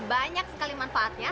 banyak sekali manfaatnya